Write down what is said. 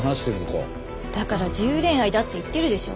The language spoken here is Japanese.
だから自由恋愛だって言ってるでしょう。